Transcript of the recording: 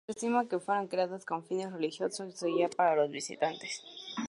Se estima que fueron creadas con fines religiosos o de guía para los visitantes.